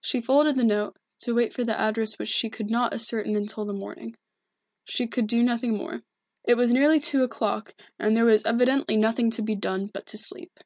She folded the note, to wait for the address which she could not ascertain until the morning. She could do nothing more. It was nearly two o'clock and there was evidently nothing to be done but to sleep.